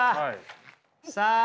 さあ。